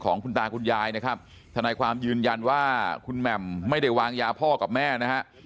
ของคุณตาคุณยายนะครับทนายความยืนยันว่าคุณแหม่มไม่ได้วางยาพ่อกับแม่นะฮะ